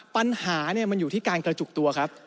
ปัญหามันอยู่ที่การกระจุกตัวครับ